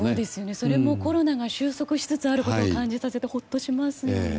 それもコロナが収束しつつあることを感じさせてほっとしますね。